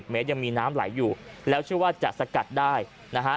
เมตรยังมีน้ำไหลอยู่แล้วเชื่อว่าจะสกัดได้นะฮะ